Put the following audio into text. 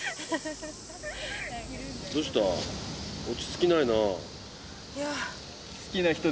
落ちつきないな。